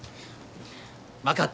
分かった。